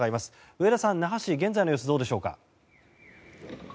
上田さん、那覇市現在の様子どうでしょうか。